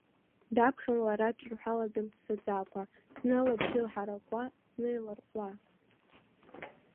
Даԥхьон лара ҿырҳәала дмыццакӡакәа, зны лыбжьы ҳаракуа, зны иларҟәуа.